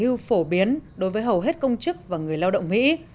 nhiều người nghỉ hưu phổ biến đối với hầu hết công chức và người lao động mỹ